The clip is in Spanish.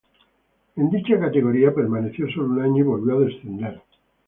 En dicha categoría permaneció solo un año y volvió a descender.